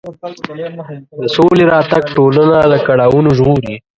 د سولې راتګ ټولنه له کړاوونو ژغوري.